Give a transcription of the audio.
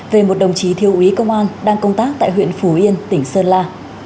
về một đồng chí thiêu úy công an đang công tác tại huyện phú yên tỉnh sơn la